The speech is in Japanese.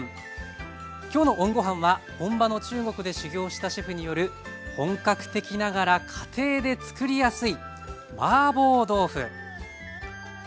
今日のＯＮごはんは本場の中国で修業したシェフによる本格的ながら家庭でつくりやすいマーボー豆腐。